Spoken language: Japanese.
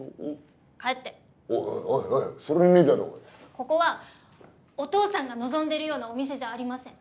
ここはおとうさんが望んでるようなお店じゃありません。